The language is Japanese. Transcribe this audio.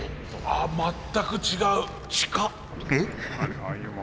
あ全く違う。